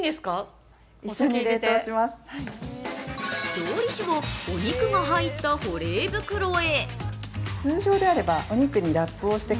料理酒をお肉が入った保冷袋へ。